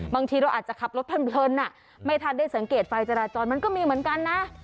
บางทีเราอาจจะขับรถเพลินไม่ทันได้สังเกตไฟจราจรมันก็มีเหมือนกันนะ